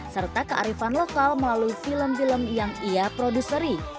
serta kearifan lokal melalui film film yang ia produseri